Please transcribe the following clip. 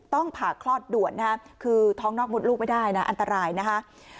ต้องผ่าคลอดด่วนคือท้องนอกมดลูกไม่ได้อันตรายนะคะ